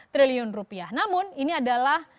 triliun rupiah namun ini adalah